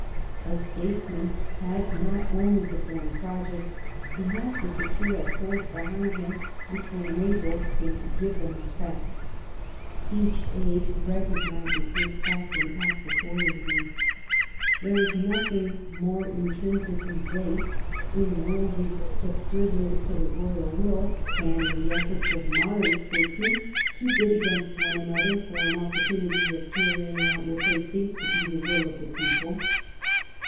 A statesman has not only to form projects, he has to secure a force behind him which will enable him to give them effect. Each age recognises this fact, and acts accordingly. There is nothing more intrinsi cally base in Wolsey's subservience to the royal will than in the efforts of modem statesmen to bid against one another for an opportunity of carrying out what they think to be the will of the people.